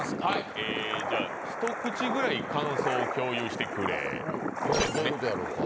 えじゃあ一口ぐらい感想を共有してくれですね。